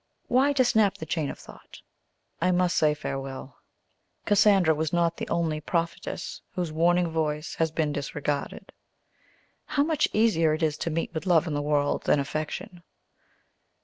Why, to snap the chain of thought, I must say farewell. Cassandra was not the only prophetess whose warning voice has been disregarded. How much easier it is to meet with love in the world than affection!